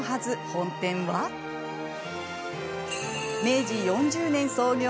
本店は明治４０年創業